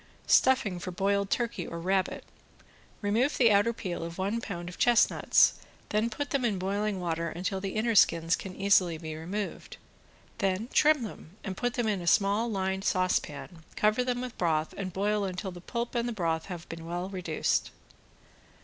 ~STUFFING FOR BOILED TURKEY OR RABBIT~ Remove the outer peel of one pound of chestnuts, then put them in boiling water until the inner skins can easily be removed, then trim them and put them into small lined saucepan, cover them with broth and boil until the pulp and the broth has been well reduced.